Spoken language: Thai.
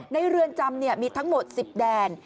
เรือนจำมีทั้งหมด๑๐แดน